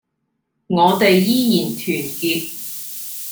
我哋依然團結